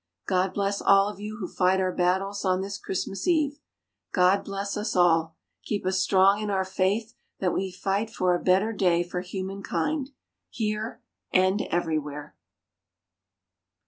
God bless all of you who fight our battles on this Christmas Eve. God bless us all. Keep us strong in our faith that we fight for a better day for humankind here and everywhere.